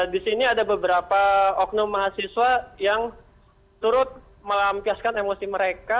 di sini ada beberapa oknum mahasiswa yang turut melampiaskan emosi mereka